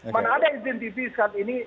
mana ada izin tv saat ini